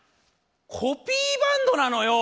コピーバンドなのよ。